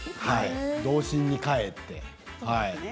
童心に返って。